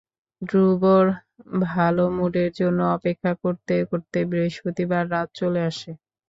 ধ্রুবর ভালো মুডের জন্য অপেক্ষা করতে করতে বৃহস্পতিবার রাত চলে আসে।